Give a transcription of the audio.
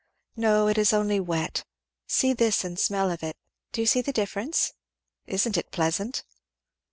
"No, it is only wet see this and smell of it do you see the difference? Isn't it pleasant?"